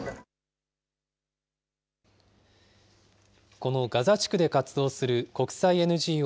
このガザ地区で活動する国際ＮＧＯ